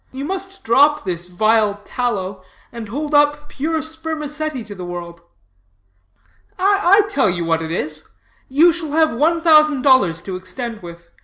You must drop this vile tallow and hold up pure spermaceti to the world. I tell you what it is, you shall have one thousand dollars to extend with.